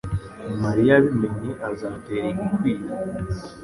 Mariya abimenye azatera igikwiye.